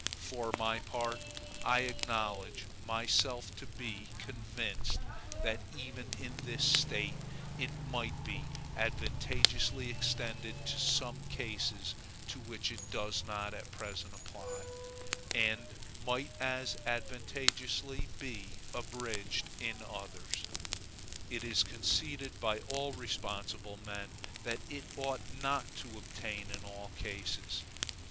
For my part, I acknowledge myself to be convinced that even in this State it might be advantageously extended to some cases to which it does not at present apply, and might as advantageously be abridged in others. It is conceded by all reasonable men that it ought not to obtain in all cases.